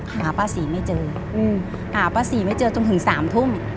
หาป้าศรีไม่เจอหาป้าศรีไม่เจอจนถึง๓ทุ่ม